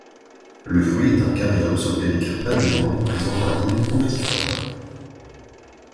Le fruit est un caryopse au péricarpe adhérent et présente un hile punctiforme.